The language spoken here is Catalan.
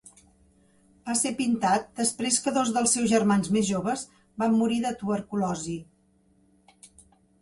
Va ser pintat després que dos dels seus germans més joves van morir de tuberculosi.